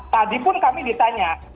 tadi pun kami diberitakan